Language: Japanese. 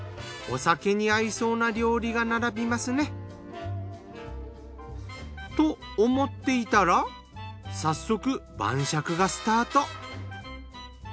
お酒に合いそうな料理が並びますね。と思っていたら早速晩酌がスタート。